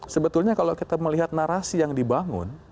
sebetulnya kalau kita melihat narasi yang dibangun